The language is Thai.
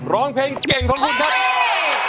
ร้องเพลงเก่งทนพุนครับ